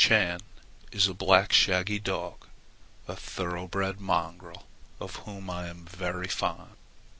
Chän is a black shaggy dog, "a thoroughbred little mongrel" of whom I am very fond.